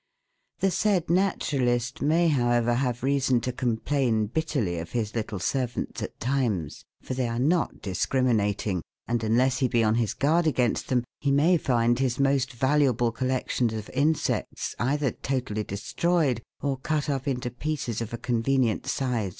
The said naturalist may, however, have reason to com plain bitterly of his little servants at times, for they are not discriminating, and unless he be on his guard against them, he may find his most valuable collections of insects either totally destroyed or cut up into pieces of a convenient size A NATURALISES ENEMIES.